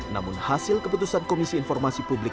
namun hasil keputusan komisi informasi publik